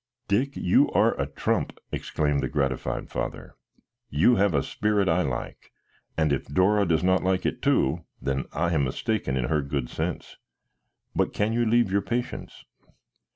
"Dick, you are a trump!" exclaimed the gratified father. "You have a spirit I like, and if Dora does not like it too, then I am mistaken in her good sense. But can you leave your patients?"